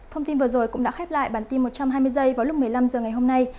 thông tin vừa rồi cũng đã khép lại bản tin một trăm hai mươi giây vào lúc một mươi năm h ngày hôm nay